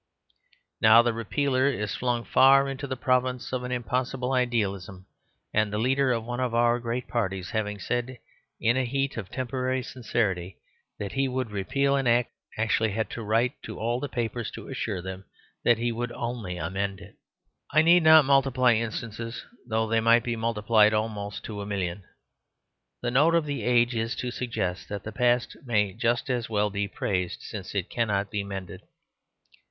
Now the Repealer is flung far into the province of an impossible idealism: and the leader of one of our great parties, having said, in a heat of temporary sincerity, that he would repeal an Act, actually had to write to all the papers to assure them that he would only amend it. I need not multiply instances, though they might be multiplied almost to a million. The note of the age is to suggest that the past may just as well be praised, since it cannot be mended.